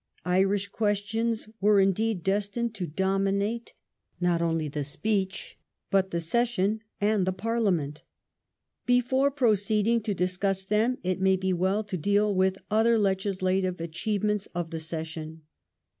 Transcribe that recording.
Irish questions were, indeed, destined to dominate not only the speech but the session and the Parliament. Before proceeding to discuss them, it may be well to deal with other legislative achievements of the session.